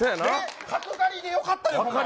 角刈りでよかったやん。